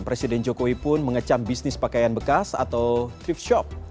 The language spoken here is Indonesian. presiden jokowi pun mengecam bisnis pakaian bekas atau thip shop